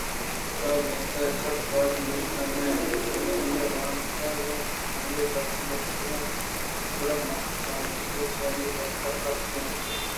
کاگد ءَ سک باز نبشتہ نہ اَت ءُایمیلیا ءَ ونتگ ءَاَت ءُآئی ءِ دست ءِمُشتءَ اَت گڑا من کاگد چہ آئی ءِ دست ءَ گِپت ءُونت